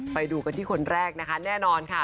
ไปดูกันที่คนแรกนะคะแน่นอนค่ะ